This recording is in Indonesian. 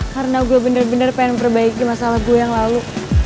karena gue bener bener pengen memperbaiki masalah gue yang lalu